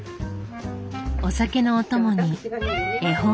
お酒のお供に絵本。